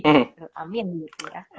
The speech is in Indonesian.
amin gitu ya